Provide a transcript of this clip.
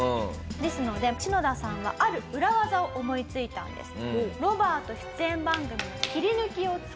ですのでシノダさんはある裏技を思いついたんです。